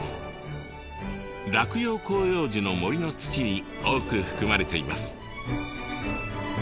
落葉広葉樹の森の土に多く含まれています。